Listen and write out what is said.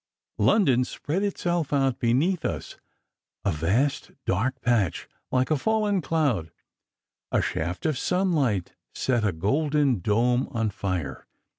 London spread itself out beneath us, a vast dark patch, like a fallen cloud. A shaft of sunlight set a golden dome on fire.